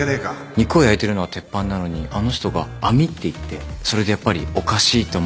肉を焼いてるのは鉄板なのにあの人が網って言ってそれでやっぱりおかしいって思ったんです。